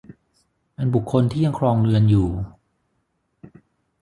อันบุคคลที่ยังครองเรือนอยู่